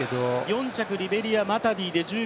４着リベリアのマタディ。